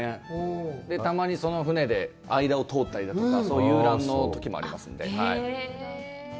たまに船で間を通ったりとか、遊覧のときもありますんで。